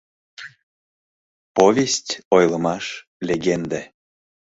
ПОВЕСТЬ, ОЙЛЫМАШ, ЛЕГЕНДЕ